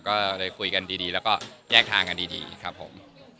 ก็เลยคุยกันดีแล้วก็แยกทางกันดีครับผม